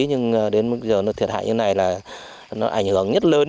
nhưng đến bây giờ nó thiệt hại như thế này là nó ảnh hưởng nhất lớn